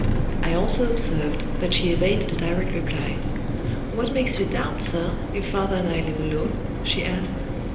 I also observed that she evaded a direct reply. "What makes you doubt, sir, if father and I live alone?" she asked.